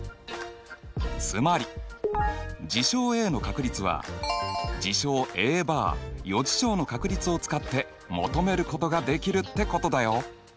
つまり事象Ａの確率は事象Ａバー余事象の確率を使って求めることができるってことだよ。